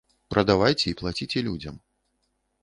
Прадавайце і плаціце людзям.